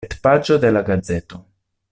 Retpaĝo de la gazeto.